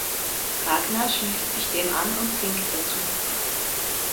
Ragnar schließt sich dem an und singt dazu.